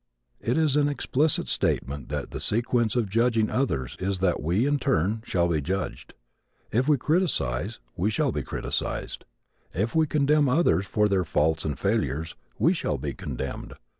It is an explicit statement that the consequence of judging others is that we, in turn, shall be judged. If we criticize, we shall be criticized. If we condemn others for their faults and failures, we shall be condemned.